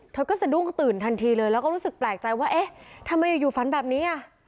เธอก็สะดุ้งตื่นทันทีเลยแล้วก็รู้สึกแปลกใจว่าเอ๊ะทำไมอยู่ฝันแบบนี้อ่ะ